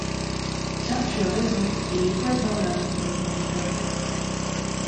Tiens, tu as raison, il est poëte par l’âme, répondit Adam.